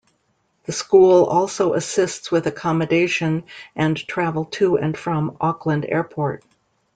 The school also assists with accommodation and travel to and from Auckland Airport.